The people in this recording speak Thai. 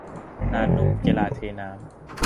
นานนมกาเลเทน้ำ